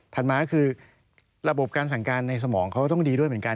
มาคือระบบการสั่งการในสมองเขาต้องดีด้วยเหมือนกัน